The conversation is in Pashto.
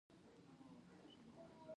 هغه څادر وغورځاوه.